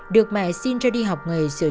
được mẹ xin cho đi học nghề sửa chăm chút